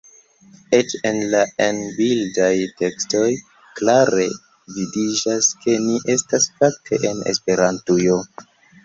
Eĉ en la en-bildaj tekstoj klare vidiĝas, ke ni estas fakte en Esperantujo.